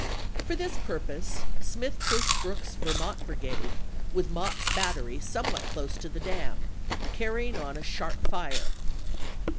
For this purpose Smith pushed Brooks's Vermont brigade with Mott's battery somewhat close to the dam, carrying on a sharp fire.